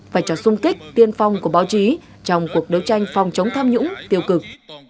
phải cho sung kích tiên phong của báo chí trong cuộc đấu tranh phòng chống tham nhũng tiêu cực